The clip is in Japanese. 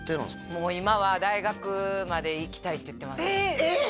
もう今は「大学まで行きたい」って言ってますえっ！？